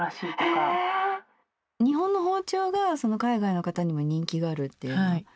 日本の包丁が海外の方にも人気があるっていうのは知ってましたけど。